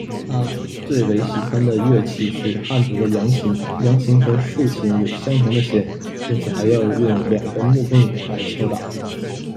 他最为喜欢的乐器是汉族的扬琴，扬琴和竖琴有相同的弦，并且还要用两根木棍来敲打。